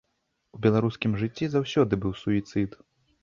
У беларускім жыцці заўсёды быў суіцыд.